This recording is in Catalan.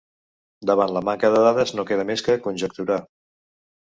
Davant la manca de dades, no queda més que conjecturar.